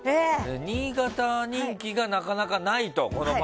新潟人気がなかなかないと。